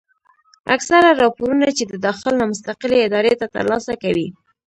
اکثره راپورنه چې د داخل نه مستقلې ادارې تر لاسه کوي